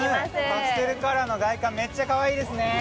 パステルカラーの外観、めっちゃかわいいですね。